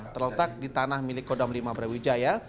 terletak di tanah milik kodam lima brawijaya